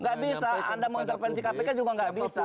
tidak bisa anda mau intervensi kpk juga tidak bisa